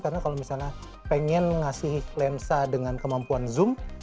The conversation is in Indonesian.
karena kalau misalnya pengen ngasih lensa dengan kemampuan zoom